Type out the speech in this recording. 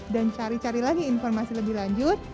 dan cari cari lagi informasi lebih lanjut